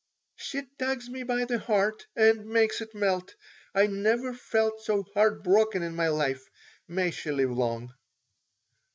"She tugs me by the heart and makes it melt. I never felt so heartbroken in my life. May she live long."